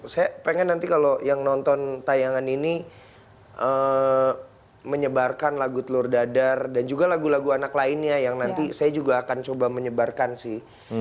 saya pengen nanti kalau yang nonton tayangan ini menyebarkan lagu telur dadar dan juga lagu lagu anak lainnya yang nanti saya juga akan coba menyebarkan sih